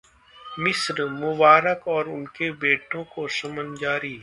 मिस्र: मुबारक और उनके बेटों को समन जारी